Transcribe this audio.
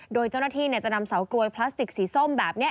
โดยเจ้าหน้าที่จะนำเสากลวยพลาสติกสีส้มแบบนี้